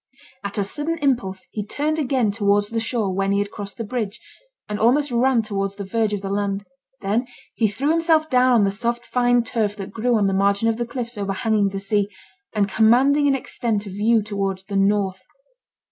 At a sudden impulse, he turned again towards the shore when he had crossed the bridge, and almost ran towards the verge of the land. Then he threw himself down on the soft fine turf that grew on the margin of the cliffs overhanging the sea, and commanding an extent of view towards the north.